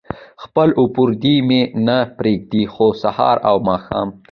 خپل او پردي مې نه پرېږدي خو سهار او ماښام.